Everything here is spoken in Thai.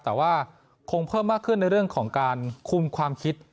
แต่ว่าคงเพิ่มมากขึ้นในเรื่องของการคุมความคิด